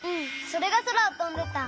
それがそらをとんでた。